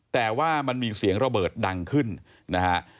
แต่ว่ามันมีเสียงระเบิดดังขึ้นนะฮะ